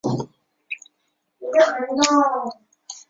使用该引擎的主要运载火箭是目前正在开发中的安加拉火箭。